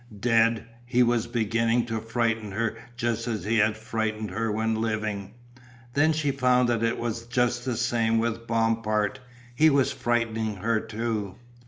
Dead, he was beginning to frighten her just as he had frightened her when living. Then she found that it was just the same with Bompard. He was frightening her too.